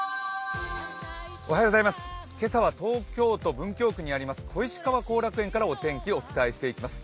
今朝は東京都文京区にあります小石川後楽園からお天気をお伝えしていきます。